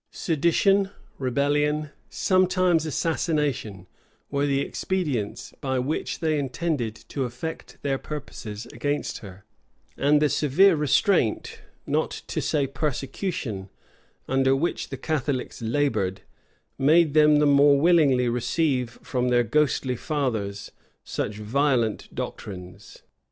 Sedition, rebellion, sometimes assassination, were the expedients by which they intended to effect their purposes against her; and the severe restraint, not to say persecution, under which the Catholics labored, made them the more willingly receive from their ghostly fathers such violent doctrines.